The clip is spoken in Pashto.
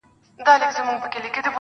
زما شاعري وخوړه زې وخوړم,